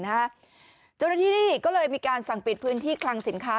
เจ้าหน้าที่นี่ก็เลยมีการสั่งปิดพื้นที่คลังสินค้า